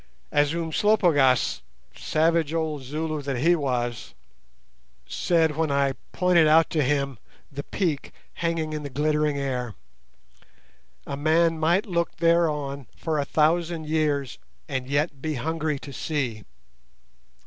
As Umslopogaas, savage old Zulu that he was, said when I pointed out to him the peak hanging in the glittering air: "A man might look thereon for a thousand years and yet be hungry to see."